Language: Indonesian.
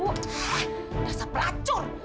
eh dasar pelacur